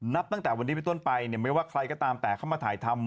นับตั้งแต่วันนี้ไปต้นไปเนี่ยไม่ว่าใครก็ตามแต่เข้ามาถ่ายทำ